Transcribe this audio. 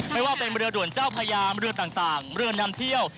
ไม่ว่าเป็นเรือด่วนเจ้าพญามเรือต่างเรือนำเที่ยว